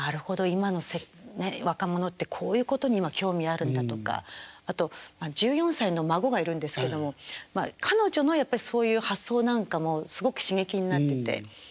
今の若者ってこういうことに今興味あるんだとかあと１４歳の孫がいるんですけども彼女のやっぱりそういう発想なんかもすごく刺激になってて。